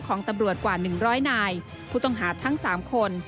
ของตำรวจกว่าหนึ่งร้อยนายผู้ต้องหาทั้งสามคน